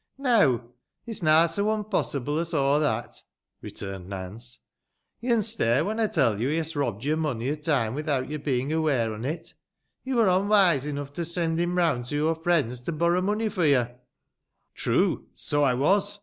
" Neaw, it's nah so unpossible os aw that," retumed Nance ; yo'n Stare when ey teil yo he has robbed yo mony a time without your being aware on it. Yo were onwise enough to send him round to your friends to borrow money fo' yo." " True, so I was.